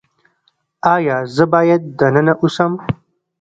ایا زه باید دننه اوسم؟